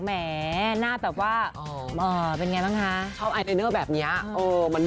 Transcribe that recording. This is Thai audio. หน้าแบบว่าเป็นยังไงบ้างคะ